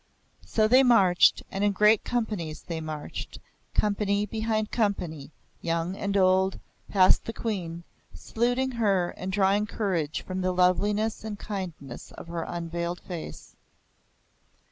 So they marched, and in great companies they marched, company behind company, young and old, past the Queen, saluting her and drawing courage from the loveliness and kindness of her unveiled face.